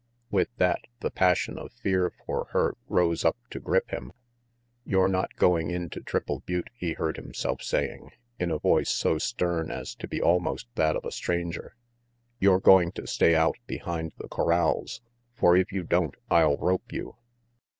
With that, the passion of fear for her rose up to grip him. "You're not going in to Triple Butte," he heard himself saying, in a voice so stern as to be almost that of a stranger. "You're going to stay out behind the corrals, for if you don't, I'll rope you."